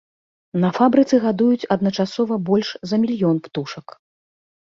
На фабрыцы гадуюць адначасова больш за мільён птушак.